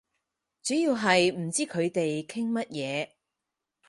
主要係唔知佢哋傾乜嘢